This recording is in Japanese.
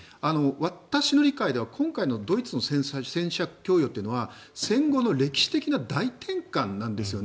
私の理解では今回のドイツの戦車供与というのは戦後の歴史的な大転換なんですよね。